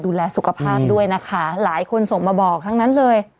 ดูแลสุขภาพด้วยนะคะหลายคนส่งมาบอกทั้งนั้นเลย